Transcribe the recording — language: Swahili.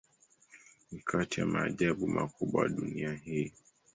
Ni kati ya maajabu makubwa ya dunia hii.